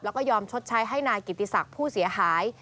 แล้วก็ยอมชดใช้ให้นายกิติศักดิ์ผู้เสียหาย